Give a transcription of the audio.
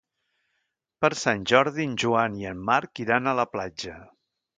Per Sant Jordi en Joan i en Marc iran a la platja.